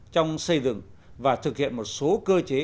trong xây dựng và thực hiện một số cơ chế